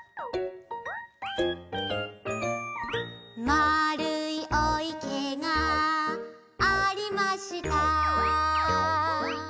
「まるいお池がありました」